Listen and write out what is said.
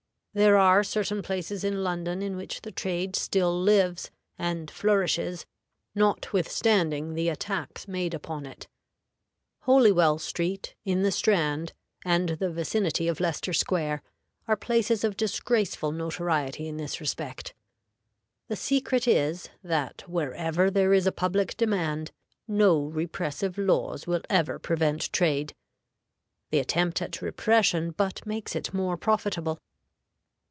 There are certain places in London in which the trade still lives and flourishes, notwithstanding the attacks made upon it. Holywell Street, in the Strand, and the vicinity of Leicester Square, are places of disgraceful notoriety in this respect. The secret is, that wherever there is a public demand, no repressive laws will ever prevent trade. The attempt at repression but makes it more profitable.